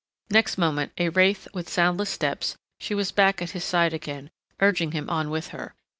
Next moment, a wraith with soundless steps, she was back at his side again, urging him on with her.